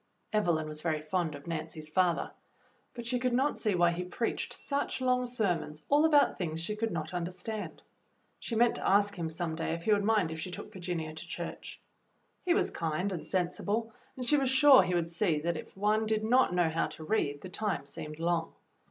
Evelyn was very fond of Nancy's father, but she could not see why he preached such long sermons all about things she could not understand. She meant to ask him some day if he would mind if she took Virginia to church. He was kind and sensible, and she was sure he would see that if one did not know how to read, the time seemed long.